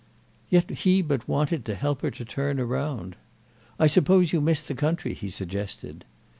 Yet he but wanted to help her to turn round. "I suppose you miss the country," he suggested.